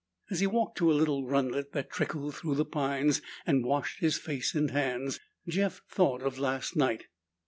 As he walked to a little runlet that trickled through the pines and washed his face and hands, Jeff thought of last night.